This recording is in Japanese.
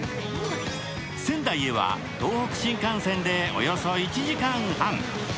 仙台へは東北新幹線でおよそ１時間半。